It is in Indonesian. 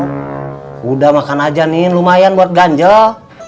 sudah makan aja nih lumayan buat ganjel